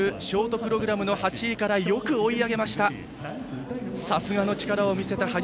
ショートプログラムの８位からよく追い上げました。